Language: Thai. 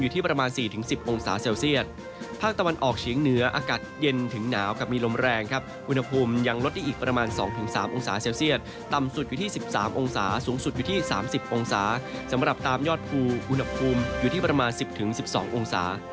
ตามยอดภูมิอุณหภูมิอยู่ที่ประมาณ๑๐๑๒องศา